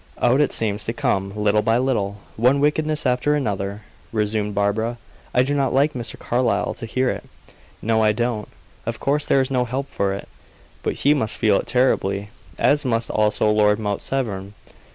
"Out it seems to come, little by little, one wickedness after another!" resumed Barbara. "I do not like Mr. Carlyle to hear it. No, I don't. Of course there is no help for it; but he must feel it terribly, as must also Lord Mount Severn.